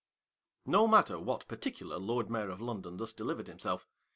No matter what particular Lord Mayor of London thus delivered himself.